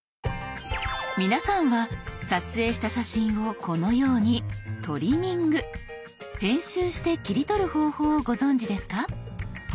皆さんは撮影した写真をこのように「トリミング」編集して切り取る方法をご存じですか？